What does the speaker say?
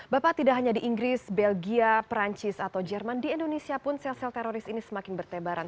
bapak tidak hanya di inggris belgia perancis atau jerman di indonesia pun sel sel teroris ini semakin bertebaran